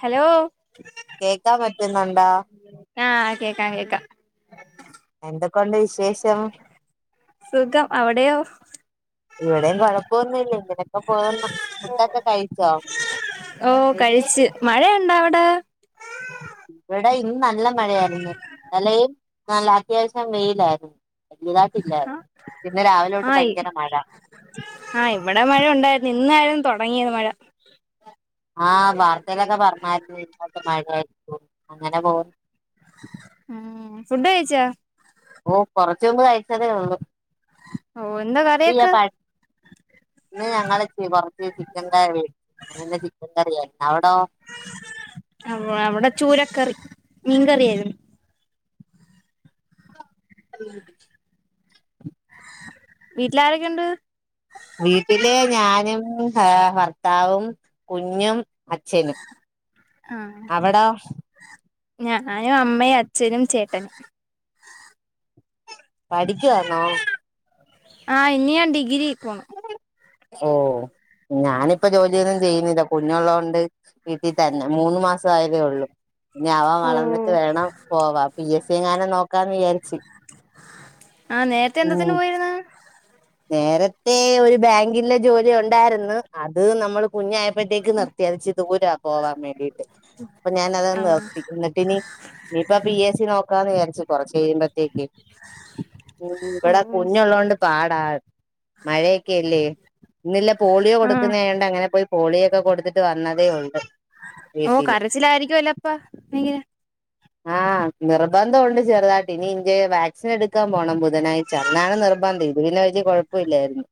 Hello കേക്കാൻ പറ്റുന്നുണ്ടോ ആ കേക്കാം കേക്കാാം എന്തൊക്കെയണ്ട് വിശേഷം സുഖം അവിടെയോ ഇവിടെയും കൊഴപ്പമൊന്നുംല്ല ഇങ്ങനൊക്കെ പോ ഫുഡൊക്കെ കഴിച്ചോ ഓ കഴിച്ച് മഴയുണ്ടാ അവിടെ ഇവിടെ ഇന്ന് നല്ല മഴയായിരുന്നു ഇന്നലെയും നല്ല അത്യാവശ്യം വെയിലായിരുന്നു വലുതായിട്ടില്ലേ ഇന്ന് രാവിലെോട്ട് ഭയങ്കര മഴ ആഹ ഇവിടെ മഴ ഉണ്ടായിരുന്നു ഇന്നായിരുന്നു തുടങ്ങിയത് മഴ ആഹ് വാർത്തയിലൊക്കെ പറഞ്ഞായിരുന്നു ഇങ്ങോട്ട് മഴയായിരിക്കും അങ്ങനെ പോ [unintelligible] ഫുഡ് കഴിച്ചാ ഓ കുറച്ചുമുമ്പ്കഴിച്ചതെള്ളൂ ഓ എന്താ കറിയൊക്കെ ഇന്ന് ഞങ്ങള [unintelligible] ചിക്കൻകറി അങ്ങന ചിക്കൻ കറി അവിടോ അ അവിടെ ചൂരക്കറി മീൻകറിയായിരുന്നു ഉ വീട്ടില് ആരൊക്കെ ഇണ്ട് വീട്ടില് ഞാനും ഭ ഭർത്താവും കുഞ്ഞും അച്ഛനും ആഹ് അവിടോ ഞാനും അമ്മേം അച്ഛനും ചേട്ടനും പഠിക്ക്‌ വാന്നോ ആഹ് ഇനി ഞാൻ ഡിഗ്രി പോണു ഓ ഞാനിപ്പോ ജോലിയൊന്നും ചെയ്യുന്നില്ല കുഞ്ഞൊള്ളോണ്ട് വീട്ടിതന്നെ മൂന്ന് മാസം ആയതേ ഒള്ളൂ കുഞ്ഞാവ വളർന്നിട്ട് ഓഹ് വേണം പോവാ പി എസ് സി എങ്ങാനും നോക്കാന്ന് വിചാരിച്ച് ആഹ് നേരത്തെ ഉം എന്താത്തിന് പോയിരുന്നു നേരത്തെ ഒരു ബാങ്കിന്റെ ജോലി ഉണ്ടാര്ന്ന് അത് നമ്മള് കുഞ്ഞായപ്പഴതേക്ക് നിർത്തി അത് ഇച്ചിരി ദൂരാ പോവാൻ വേണ്ടീട്ട് അപ്പൊ ഞാൻ അത് ആഹ് നിർത്തി എന്നിട്ട്ഇനി ഇനിപ്പൊ പി എസ് സി നോക്ക്‌ ക്കാന്ന് വിചാരിച്ച് കൊറച്ച് കഴിയുമ്പോത്തേക്ക് ഉം ഇവ്ടെ ഓഹ് കുഞ്ഞൊള്ളോണ്ട് പാടാ മഴയൊക്കെഇല്ലേ ഇന്നില്ലെ പോളിയോ ആഹ് കൊടുക്കുന്ന ആയോണ്ട് അങ്ങനെ പോയി പോളിയോ ഒക്കെ കൊടുത്തി ട്ട് വന്നതേ ഒള്ള് ഓ വീട്ടില് കരച്ചിലായിരിക്കുവല്ലോ അപ്പ ഭയങ്കര ആഹ് ആ നിർബന്ധം ഒണ്ട് ചെറുതാട്ട് ഇനി ഇന്ജെ വാക്സിൻ എടുക്കാൻ പോണം ബുധനാഴ്ച അന്നാണ് നിർബന്ധം ഇ ഇത് പിന്നെ വല്യ കൊഴപ്പം ഇല്ലാരുന്നു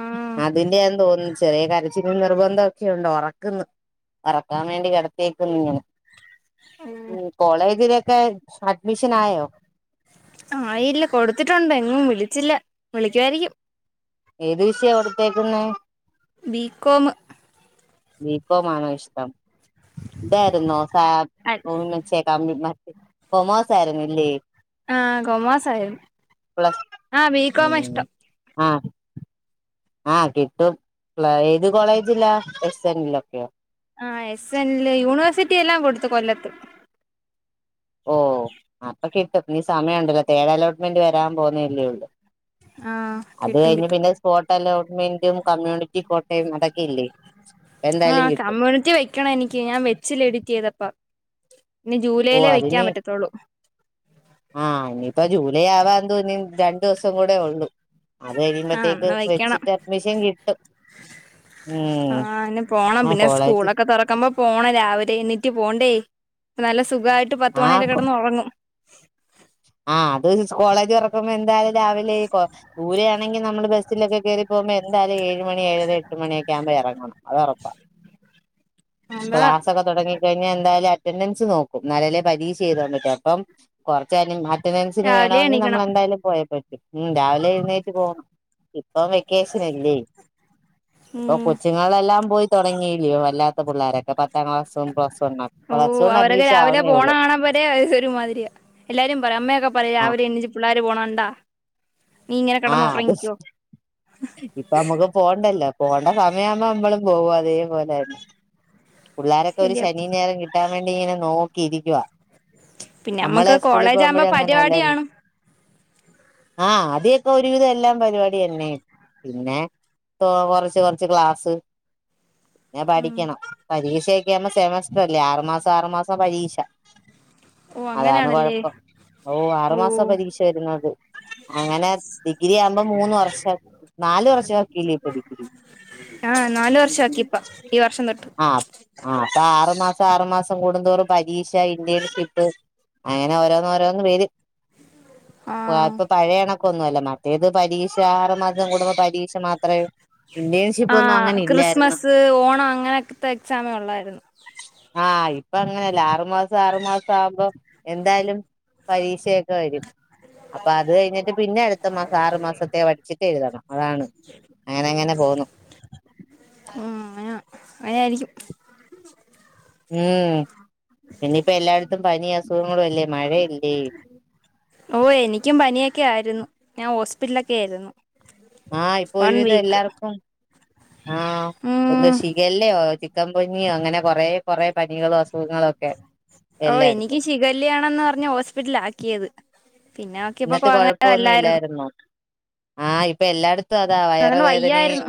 ആഹ് അതിന്റെയാന്ന് തോന്നുന്നു ചെറിയ കരച്ചിലും നിർബന്ധം ഒക്കെ ഒണ്ട് ഒറക്ക്‌ന്നു ഒറക്കാൻ വേണ്ടി കിടത്തിയെക്കുന്നു ഇങ്ങനെ ഉം കോളേജിലൊക്കെ അഡ്മിഷൻ ആയോ ആയില്ല കൊടുത്തിട്ടൊണ്ട് എങ്ങും വിളിച്ചില്ല വിളിക്കുവാരിക്കും ഏത് വിഷയ കൊടുത്തേക്ക്‌ന്നെ ബിക്കോമ് ബിക്കോമ് ആണോ ഇഷ്ടം ഇതാരുന്നൊ ഫ തോന്നുണു ചെ കംമ്പ് ബ കൊമേഴ്സായിരുന്നു ഇല്ലേ ആഹ് കൊമേഴ്സാരുന്നു പ്ലസ് ആഹ് ബീക്കോമാ ഉം ഇഷ്ടം ആഹ് ആഹ് കിട്ടും ഫ്ലാ ഏത് കോളേജിലാ എസ് എൻലൊക്കെയോ ആഹ് എസ് എൻ യൂണിവേഴ്സിറ്റി എല്ലാം കൊടുത്തു കൊല്ലത്ത് ഓ അപ്പൊ കിട്ടും ഇനി സമയം ഉണ്ടല്ലോ തേട് അലോട്ട്മെന്റ് വരാൻ പോന്നല്ലേഒള്ളൂ ആഹ് അത് കിട്ടും കഴിഞ്ഞ് കിട്ടും പിന്നെ സ്പോട്ട് അലോട്ട്മെ ന്റും കമ്മ്യൂണിറ്റി കോട്ടയും അതൊക്കെ ഇല്ലേ എന്തായാലും ആഹ് കിട്ടും കമ്മ്യൂണിറ്റി വെക്കണം എനിക്ക് ഞാൻ വെച്ചില്ല എഡിറ്റ് ചെയ്തപ്പം ഇനി ഓ ജൂലൈയിലേ വെക്കാൻ അതിന് പറ്റതൊള്ളൂ ആഹ് ഇനിയിപ്പോ ജൂലൈ ആവാൻ എന്തോ രണ്ടുസം കൂടെ ഒള്ളൂ അത് ആഹ് കഴിയുമ്പോത്തേക്ക് എന്നാ വെക്കണം വെച്ചിട്ട് അഡ്മിഷൻ കിട്ടും ഉം ആഹ് ന് പോണം ആ പിന്നെ കോളേജ് സ്കൂളൊക്കെ തൊറക്കുമ്പോ പോണം രാവിലെ എണ്ണി റ്റ് പോണ്ടേ ഇപ്പം നല്ല സുഖയിട്ട് പത്ത്മണിവരെ ആ കെടന്ന് ഒറങ്ങും റ്റ് ആഹ് അത് കോളേജ് തുറക്കുമ്പോ എന്തായാലും രാവിലെ കൊ ദൂരെയാണെങ്കി നമ്മള് ബസിലൊക്കെ കേറി പോകുമ്പോ എന്തായാലും ഏഴ്‌ മണി ഏഴര എട്ട്മണിയക്കെ ആവ്മ്പ എറങ്ങണം അത് ഒറപ്പാ അതാ ക്ലാസൊക്കെ തൊടങ്ങി കഴിഞ്ഞൽ എന്തായാലും അ അറ്റൻഡൻസ് നോക്കും ന്നാലല്ലേ പരീഷ എഴുതാൻ പറ്റു അപ്പം കൊറച്ച് കഴിഞ്ഞ് മ അറ്റൻഡൻസിന് രാവിലെ വേണോങ്കിൽ എണീക്കണം നമ്മളെന്തായാലും പോയെ പ റ്റു. ഉം രാവിലെ എഴുന്നേറ്റ് പോണം ഇപ്പൊ വെക്കേഷൻ അല്ലേ ഇപ്പൊ ഉം കൊച്ചുങ്ങളെല്ലാം പോയി തുടങ്ങിയില്ല്യോ അല്ലാത്ത പിള്ളാരൊക്കെ പത്താം ക്ലാസ്സും പ്ലസ് വൺ വണ്ണും പ്ലസ് ഓഹ് അവരൊക്കെ അഡ്മിഷൻ രാവിലെ ആവുന്നേ പോണ ഉള്ളൂ കാണ്മ്പരെ ഒരുമാതിരിയാ എല്ലാരും പറയും അമ്മയൊക്കെ പറയും രാവിലെ എണ്ണിച്ചു പിള്ളര് പോണ കണ്ടാ ആ അത് സ് ഇപ്പ മ്മക്ക് പോണ്ടല്ലോ പോണ്ട സമയാവുമ്പോ നമ്പളും പോകും അതേപോലെതന്നെ പിള്ളോരൊക്കെ ഒരു ശരിയാ ശനിം ഞായറും കിട്ടാ ൻ വേണ്ടി ഇങ്ങനെ നോക്കിയിരിക്കുവ. പിന്നെ നമ്മളെ നമ്മക്ക് സ്കൂളിൽ കോളേജ് പോകുമ്പോഴ ആകുമ്പോ അങ്ങനെ പരിപാടി അല്ലാര് കാണും ആഹ് ആദ്യൊക്കെ ഒരുവിധം എല്ലാം പരിപാടി തന്നെ. പിന്നെ [unintelligible] കൊറച്ച് കൊറച്ച് ഗ്ലാസ് പിന്ന ഉം പഠിക്കണം. പരീക്ഷൊക്കെ ആവ്മ്പം സെമസ്റ്റർ അല്ലേ ആറുമാസം ആറുമാസം പരീക്ഷ ഓ അതാണ് അങ്ങനെയാണല്ലേ കുഴപ്പം. ഓ ആറുമാസ പരീക്ഷ വരുന്നത് അങ്ങനെ ഡിഗ്രി ആവുമ്പോ മൂന്ന് വർഷം നാാലു വർഷവാക്കില്ലേ ഇപ്പൊ ഡിഗ്രി ആഹ് നാല് വർഷം ആക്കി പ്പം. ഈ വർഷം തൊട്ട് ആ അപ്പൊ ആറുമാസം ആറുമാസം കൂടുന്തോറും പരീക്ഷ ഇന്ത്യയിൽ കിട്ടു അങ്ങനെ ഓരോന്ന് ഓരോന്ന് വര് അപ്പൊ ആഹ് ഇപ്പൊ പഴയ കണക്കൊന്നു അല്ല മറ്റേത് പരീ ണ ആറ് മാസം കൂടുമ്പം പരീക്ഷ മാത്രവെ ഇന്റേൺഷിപ്പ് ഒന്നും അങ്ങനെ ഇല്ലായിരുന്നു പോണം അങ്ങനെയൊക്കത്തെ എക്സാമെ ഉള്ളായിരുന്നു ആഹ് ഇപ്പം അങ്ങനെയല്ല ആറുമാസം ആറു മാസം ആവുമ്പോ എന്തായാലും പരീക്ഷയ ക്കെ വരും. അപ്പൊ അത് കഴിഞ്ഞിട്ട് പിന്നെ അടുത്ത മാസം ആറു മാസത്തെ പഠിച്ചിട്ട് എഴുതണം അതാണ് അങ്ങനെ അങ്ങനെ പോവുന്നു ഉം അയ അയായിരിക്കും ഉം പിന്നെയിപ്പോ എല്ലായിടത്തും പനി അസുഖങ്ങളും അല്ലേ മഴയില്ലേ ഓ എനിക്കും പനിയൊക്കെ ആയിരുന്നു ഞാൻ ഹോസ്പിറ്റലൊക്കെ ആയിരുന്നു ആഹ് ഇപ്പോ വൺ ഒരുവിധം വീക്ക് എല്ലാർക്കും. ആഹ് എന്തോ ഉം ശിഖല്ലയോ ചിക്കൻ കൊഞ്ഞിയോ അങ്ങനെ കൊറേ കൊറെ പനികളും അസുഖങ്ങളു ഒക്കെ ഓ എനിക്കും എല്ലായിടത്തും ശിഖല്യാണെന്ന് പറഞ്ഞ് ഹോസ്പിറ്റലാക്കിയത് എന്നിട്ട് കൊഴപ്പൊന്നും ഇല്ലായിരുന്നോ? ആഹ് ഇപ്പൊ എല്ലായിട അങ്ങനെ വയ്യായിരുന്നു.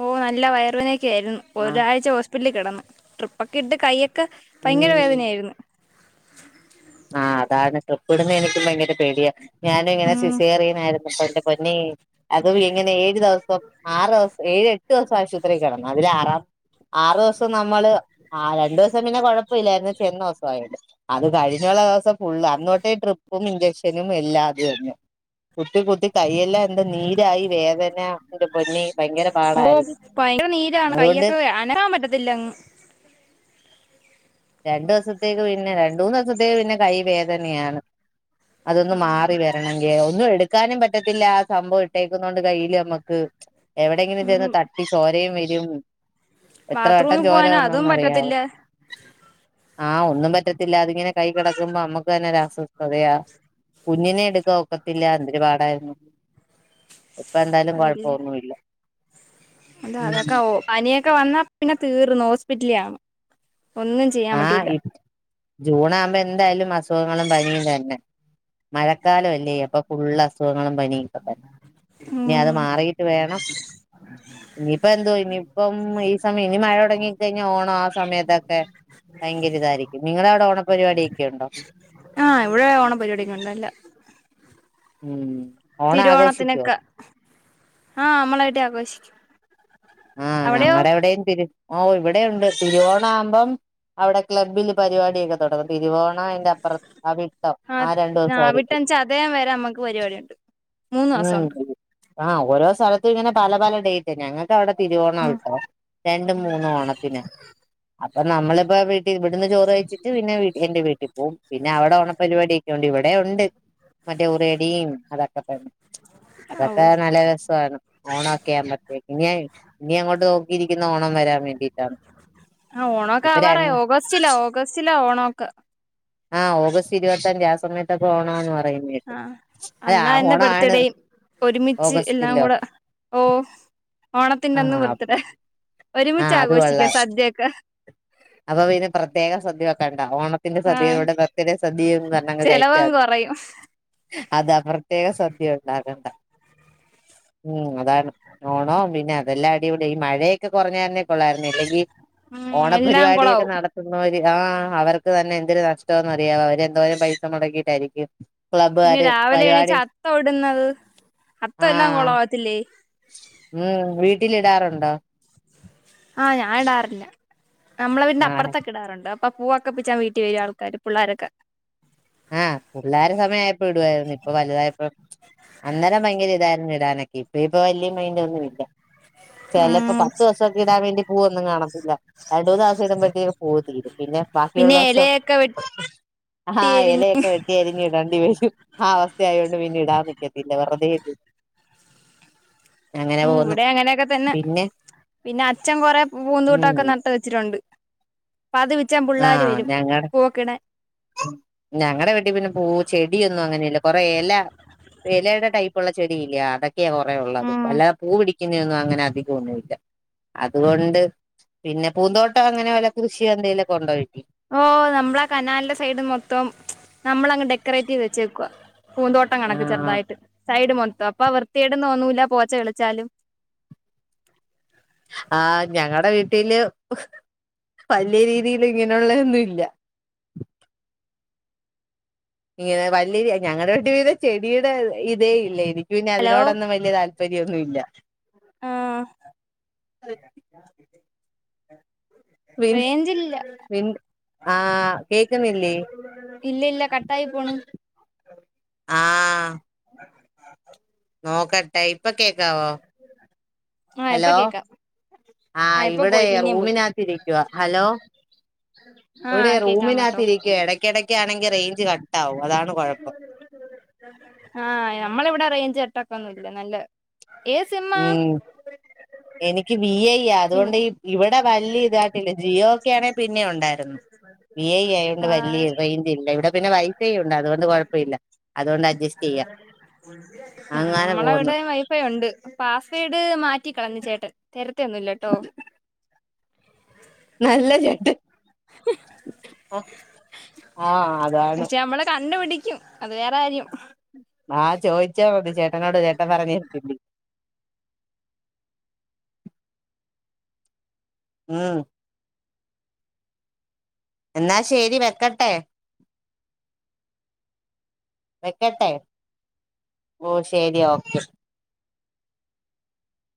ഓ നല്ല വയർവേന്യൊക്കെ ആയിരുന്നു. ആഹ് ഒരാഴ്ച ഹോസ് പ്പിറ്റലി കിടന്ന്. ട്രിപ്പൊക്കെ ഇട്ട് കയ്യൊക്കെ ഭയങ്കര ഉം വേദനയായിരുന്ന് ആഹ് അതാണ് ട്രിപ്പിടുന്നെ എനിക്കും ഭയങ്കര പേടിയ ഞാനും ഇങ്ങനെ ഉം സിസേറിയനായിരുന്ന്. അപ്പെന്റെ പൊന്നെ അതും എങ്ങനെ ഏഴ് ദിവസം ആറ് ദവസം ഏഴ് എട്ട് ദിവസം ആശുപത്രി കിടന്നു. അതില് ആറാ ആറു ദിവസം നമ്മള് ആ രണ്ടു ദിവസം പിന്നെ കൊഴപ്പവില്ലായിരുന്നു. ചെന്നോസമായൊണ്ട് അത് കഴിഞ്ഞുള്ള ദിവസം ഫുള്. അന്ന് തൊട്ടെ ട്രിപ്പും ഇഞ്ചക്ഷ നും എല്ലാതും തന്നെ. കുത്തി കുത്തി കൈയെല്ലാം എന്താ നീരായി വേദന ന്റെ പൊന്നി ഭയങ്കര ഓ പാടായിരുന്നു. ഭയങ്കര നീരാണ് അതുകൊണ്ട് കൈയൊക്കെ [inaudible] അനക്കാൻ പറ്റത്തില്ല അങ്ങ് രണ്ടു ദിവസത്തേക്ക് പിന്നെ രണ്ട് മൂന്ന് ദിവസത്തേക്ക് പിന്നെ കൈ വേദനയാണ് അതൊന്ന് മാറി വരണ ങ്കി. ഒന്നും എടുക്കാനും പറ്റത്തില്ല ആ സംഭവം ഇട്ടേക്കുന്നോണ്ട് കയ്യില് നമ്മക്ക് എവിടെയങ്കിലും ചെന്ന് ഉം തട്ടി ചോരയും വരും എത്ര വട്ടം ബാത്റൂമിൽ ചോര പോകാനോ അതും വന്നെന്ന് അറിയാവൊ പറ്റത്തില്ല ആഹ് ഒന്നും പറ്റത്തില്ല. അതിങ്ങനെ കൈ കിടക്കുമ്പോ നമ്മക്ക് തന്നെ ഒരസ്വസ്ഥതയാ കുഞ്ഞിനെ എടുക്കാ ഒക്കത്തില്ല എന്തര് പാടായിരുന്നു ഇപ്പ എന്തായാലും കുഴപ്പൊന്നുവില്ല അതെ അതൊക്കെ ഓ പനിയൊക്കെ വന്നാ പിന്നെ തീർന്ന് ഹോസ്പിറ്റലി ആവണം ആഹ ഇ ജൂൺ ആകുമ്പോ എന്തായാലും അസുഖങ്ങളും പനിയും തന്നെ മഴക്കാലമല്ലേ അപ്പൊ ഫുള്ള അസുഖങ്ങളും പനി ഇപ്പ തന്നെ ഇനി അത് ഉം മാറിയിട്ട് വേണം ഇനിയിപ്പ എന്തോ ഇനി ഇപ്പം ഈ സമയം ഇനി മഴ തുടങ്ങ കഴിഞ്ഞ ഓണം ആ സമയത്തൊക്കെ ഭയങ്കര ഇതായിരിക്കും നിങ്ങള അവിടെ ഓണപരിപാട ഒക്കെ ഉണ്ടോ ആഹ് ഇവിടെ ഓണ പരിപാടി ഉണ്ടല്ല ഉം ഓണം ആഘോഷിക്കുവോ തിരുവോണത്തിനൊക്കെ ആഹ നമ്മളായിട്ട് ആഘോഷിക്കും ആഹ അവിടെയോ ഞങ്ങളടെ എവിടെയും തിരു ഓ ഇവിടെ ഉണ്ട് തിരുവോണ ആവുമ്പം അവിടെ ക്ലബ്ബില് പരിപാടിയൊക്കെ തുടങ്ങും തിരുവോ ആ ദിവസമായിരിക്കും ഞാവിട്ടച്ച അതേ വരെ അമ്മക്ക് പരിപാടിുണ്ട് മൂന്ന് മാസുണ്ട് ആഹ ഓരോ സ്ഥലത്തും ഇങ്ങനെ പല പല ഡേറ്റ് ഞങ്ങ അവിടെ തിരുവോണം ഉം വിട്ടോ രണ്ട മൂന്ന ഓണത്തിന് അപ്പൊ നമ്മളിപ്പോ വി ഇവിടുന്ന് ചോറ് വയച്ചിട്ട് പിന്നെ [unintelligible] എന്റെ വീട്ടിൽ ഓ പിന്നെ അവിടെ ഓണപരിപാടിയൊക്കെ ഉണ്ട് ഇവിടെ ഉണ്ട് മറ്റേ ഉറിടിയും അതൊക്കെ തന്നെ അതൊക്കെ ഓഹ് നല്ല രസമാണ് ഓണം ഒക്കെയ ആൻ പറ്റ ഇനി ഇനി അങ്ങോട്ട് നോക്കിയിരിക്കുന്ന ഓണം വരാൻ വേണ്ടിട്ടാണ് ആ ഓണൊക്കെ ആ പറ ഓഗസ്റ്റിലാ ഓഗസ്റ്റിലാ ഓണോക്കെ ആഹ് ഓഗസ്റ്റ് ഇരുപത്തഞ്ച് ആ സമയത്തൊക്കെ ഓണംന്ന് പറ [unintelligible] ആഹ് ആ അന്നാ എന്റെ ഓണാണ് ബർത്ത്ഡേയും ഒരുമിച്ച് എല്ലാം ഓഗസ്റ്റിലോ കൂടെ ഓ ആ ഓണത്തിന്റെന്നും വർത്തഡേ ആ ഒരുമിച്ച് അത് ആഘോഷിക്കാ കൊള്ളാം സദ്യക്കെ അപ്പൊ പിന് പ്രത്യേക സദ്യകണ്ടാ ഓണത്തിന്റെ ആഹ് സദ്യയിലൂടെ ബർത്തിടെ സദ്യന്ന് തന്നെങ്ങ് ചെലവും കഴിച്ചാതി കൊറയും അത് പ്രത്യേക സദ്യ ഉണ്ടാകണ്ട ഉ [unintelligible] ഓ ണോം പിന്നെ അതെല്ലാം അടി കൂടെ ഈ മഴയൊക്കെ കുറഞ്ഞ തരുന്നേ കൊള്ളായിരുന്നു ഇല്ലെങ്കിൽ ഉം എല്ലാം ഓണപരിപാടിയൊക്കെ കൊളാവും നടത്തുന്നവര് ആഹ അവർക്ക് തന്നെ എന്തൊരു നഷ്ടോന്ന് അറിയാ അവര് എന്തോാലും പൈസ മുടക്കിയിട്ടായിരിക്കും പിന്നെ ക്ലബ്ബുകാര് രാവിലെ പരിപാടി ചത്ത ഒ ടുന്നത് അത്ത എല്ലാം ആഹ് കൊളാവത്തില്ലേ ഉം വീട്ടിലിടാറുണ്ടോ ആഹ് ഞാൻ ഇടാറില്ല നമ്മളെ അവന്റെ ആഹ് അപ്പുറത്തൊക്കെ ഇടാറുണ്ട് അപ്പൊ പൂവൊക്കെ പിച്ചാൻ [unintelligible] പിള്ളോരൊക്കെ ആഹ് പിള്ളേരു സമയയപ്പോ ഇടുവായിരുന്നു ഇപ്പൊ വലുതായപ്പോ അന്നേരം ഭയങ്കര ഇതായിരുന്നു ഇടാനൊക്കെ ഇപ്പ ഇപ്പൊ വലിയ മൈന്റൊന്നും ഇല്ല ചിലപ്പോ ഉം പത്ത് ദിവസക്കെ ഇടാൻ വേണ്ടി പൂവൊന്നും കാണത്തില്ല രണ്ട് മൂന്ന് ദിവസം ഇടുമ്പഴത്തേക്കുപൂ തീരും പിന്നെ പിന്നെ ബാക്കിയുള്ളോസോ പൈ [unintelligible] ആഹ ഇലയൊക്കെ വെട്ടി അരിഞ്ഞിടണ്ടി വരും ആ അവസ്ഥയൊണ്ട് പിന്ന ഇടാൻ നിക്കത്തില്ലെ വെർതെ എന്തി ഉ ഇവിടെ അങ്ങനെയൊക്കെ തന്നെ പിന്നെ അച്ഛൻ കൊറെ പൂവു ഉം ന്തൂട്ടമൊക്കെ നട്ട വെച്ചിട്ടുണ്ട് അപ്പാ ത് പിച്ചാ പിള്ളോര് വരും [unintelligible] ഞങ്ങളടെ വീട്ടിൽ പിന്നെ പൂ ചെടിയൊന്നും അങ്ങനെല്ല കൊറെേ എല ഇലയുടെ ടൈപ്പ് ഉള്ള ചെടി ഇല്ല അതൊക്കെയാ കുറേ ഉള്ളത് ഉം അല്ലാതെ പൂ പിടിക്ക പിന്നെ ഒ ന്നും അധികം ഒന്നുല്ല അതുകൊണ്ട് പിന്നെ പൂന്തോട്ടം അങ്ങനെ വല്ല കൃഷിയോ എന്തെേലിലൊക്ക കൊണ്ടുപോയിട്ടോ ഓ നമ്മളാ കനാലിന്റെ സൈഡ് മൊത്തം നമ്മളങ്ങ് ഡെക്കറേറ്റ് ചെയ്ത് വെച്ചേക്കുവ പൂന്തോട്ടം കണക്ക് ആഹ് ചെറുതായിട്ട് സൈഡ് മൊ അപ്പ വൃത്തിയടതൊന്നൂില്ല പോച്ച കളിച്ചാലും ആഹ് ഞങ്ങളടെ വീട്ടില് വലിയ രീതിൽ ഇങ്ങനെള്ളൊന്നും ഇല്ല ഇങ്ങനെ വലിയ ഞങ്ങളുടെ വട്ട വീടെ ചെടിയുടെ ഇതേ ഇല്ല എനി നി ഹലോ അതിനോടൊന്നും വലിയ താല്പര്യമൊന്നുമല്ല ആഹ് അ റേഞ്ചില്ല പിൻ ആഹ് കേക്കുന്നില്ലേ ഇല്ല ഇല്ല കട്ട ആയി പോണു ആ ആ [unintelligible] നോക്കട്ടെ ഇപ്പൊ കേക്കാവോ ആഹ് ഇപ്പൊ ഹലോ കേക്കാം ആ ആഹ് ഇപ്പൊ ഇവിടെ പോയി പിന്നേം റൂമിനകത്തിരിക്കുവ ഹലോ ഉഹ ഇവിടെ റൂമിനകത്ത് ഇരിക്കുവ ഇടക്ക ഇടക്കാണെങ്കി റേഞ്ച് കട്ട ആവും അതാണ് കുഴപ്പം ആ നമ്മള ഇവിടെ റേഞ്ച്ട്ടൊക്ക ഒന്നുംല്ല നല്ല ഏ സിമ ഉം എനിക്ക് ബി ഐ അതുകൊണ്ട് ഇവിടെ വലിയ ഇതായിട്ടില്ല ജിയോ ഒക്കെ ആണെങ്കിൽ പിന്നെ ഉണ്ടായിരുന്നു ഐ ആയോണ്ട് വലിയ റേഞ്ച് ഇല്ല ഇവിടെ പിന്നെ വൈഫൈ ഉണ്ട് അതുകൊണ്ട് കൊഴപ്പ ഇില്ല അതുകൊണ്ട് അഡ്ജസ്റ്റ് ചെയ്യും അ ആ നമ്മളവിടെ വൈഫൈ ഉണ്ട് പാസ്വേഡ് മാറ്റ കളന്ന ചേട്ടൻ തരത്തൊന്നുമല്ലട്ടോ നല്ല ചേട്ടൻ ആ ആഅതാണ് പക്ഷെ നമ്മള് കണ്ടുപിടിക്കും അത് വേറെ കാര്യം ആ ചോദിച്ചാത് ചേട്ടനോട് ചേട്ടൻ പറഞ്ഞിരട്ടില്ല ഉം എന്നാ ശെരി വെക്കട്ടെ വക്കട്ടേ ഓ ശരി ഓക്കെ